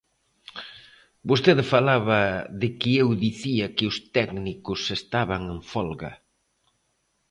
Vostede falaba de que eu dicía que os técnicos estaban en folga.